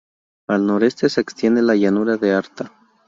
Al noroeste se extiende la llanura de Arta.